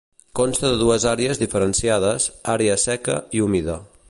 Consta de dues àrees diferenciades, àrea seca i humida.